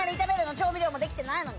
調味料もできてないのに。